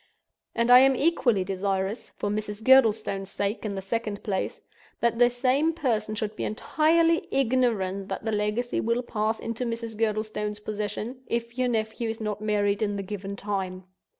And I am equally desirous—for Mrs. Girdlestone's sake, in the second place—that this same person should be entirely ignorant that the legacy will pass into Mrs. Girdlestone's possession, if your nephew is not married in the given time.